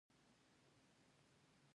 د نجونو تعلیم د ګاونډیانو حقوق پیژني.